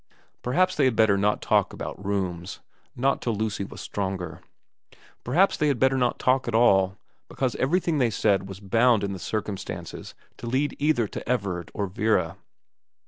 Perhaps they had better not talk about rooms ; not till Lucy was stronger. Perhaps they had better not talk at all, because everything they said was bound in the circumstances to lead either to Everard or Vera.